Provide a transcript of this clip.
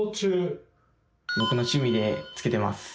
僕の趣味でつけてます。